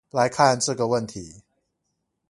來看這個問題